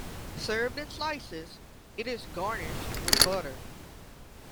Served in slices, it is garnished with butter.